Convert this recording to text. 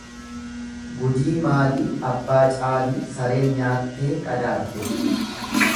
Gudii maalii abbaa caalii sareen nyaattee qadaadde.